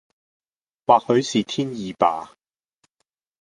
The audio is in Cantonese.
或許是天意吧！